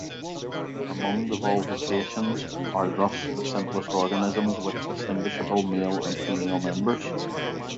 Among the Volvocaceans are thus the simplest organisms with distinguishable male and female members.